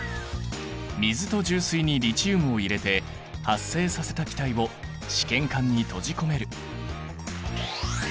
水と重水にリチウムを入れて発生させた気体を試験管に閉じ込める。